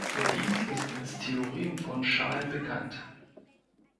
Dies ist als Theorem von Chasles bekannt.